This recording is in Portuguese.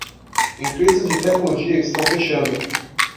Empresas de tecnologia estão fechando